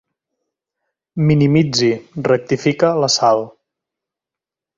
Minimitzi, rectifica la Sal.